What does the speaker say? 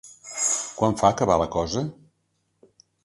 Quan fa, que va la cosa?